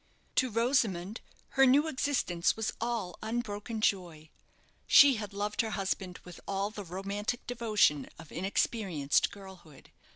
To Rosamond, her new existence was all unbroken joy. She had loved her husband with all the romantic devotion of inexperienced girlhood.